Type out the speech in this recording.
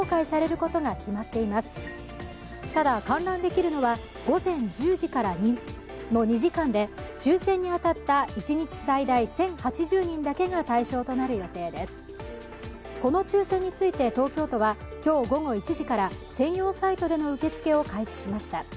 この抽選について、東京都は今日午後１時から専用サイトでの受け付けを開始しました。